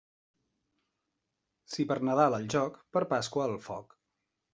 Si per Nadal al joc, per Pasqua al foc.